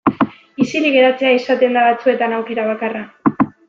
Isilik geratzea izaten da batzuetan aukera bakarra.